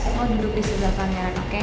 aku mau duduk di sebelah kameran oke